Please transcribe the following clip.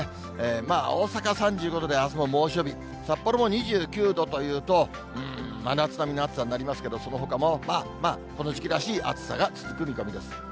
まあ、大阪３５度で、あすも猛暑日、札幌も２９度というと、うーん、真夏並みの暑さになりますけど、そのほかもまあまあ、この時期らしい暑さが続く見込みです。